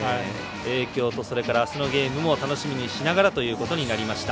きょうとあすのゲームを楽しみにしながらということになりました。